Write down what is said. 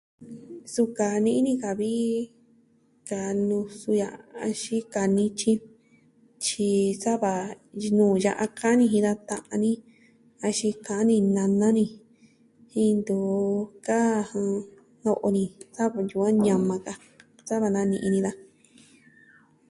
Suu kaa ni'i ni ka vi, kaa nusu ya'a axin kaa nityi, tyi sa va nuu ya'a ka'an ni jin da ta'an ni, axin ka'an in nana ni jen ntu kaa ja no'o ni sa va ntyu'un on ñama ka, sava na ni iin ni daja.